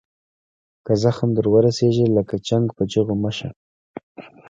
که زخم در ورسیږي لکه چنګ په چیغو مه شه.